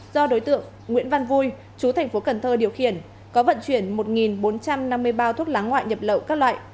do đối tượng nguyễn văn vui chú thành phố cần thơ điều khiển có vận chuyển một bốn trăm năm mươi bao thuốc lá ngoại nhập lậu các loại